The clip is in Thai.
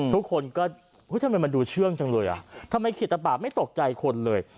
ทุกคนก็ทำไมมันดูเชื่องจังเลยอ่ะทำไมขีดตะบาปไม่ตกใจคนเลย